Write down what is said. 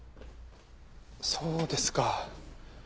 そうですか。